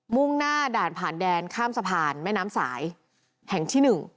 ่งหน้าด่านผ่านแดนข้ามสะพานแม่น้ำสายแห่งที่๑